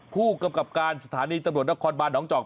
ผู้กำกับการสถานีตำรวจนักคอร์ดบานดองเจาะ